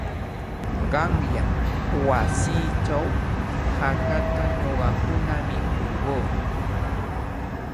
Qanyan wasiichaw hakata ñuqakuna mikurquu.